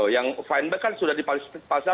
yang fun bike kan sudah dipalsasi